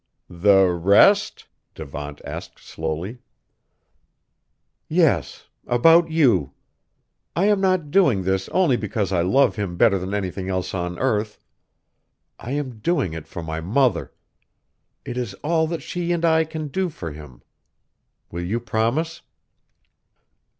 "The rest?" Devant asked slowly. "Yes. About you. I am not doing this only because I love him better than anything else on earth. I am doing it for my mother! It is all that she and I can do for him. Will you promise?"